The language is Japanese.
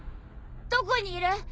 どこにいる？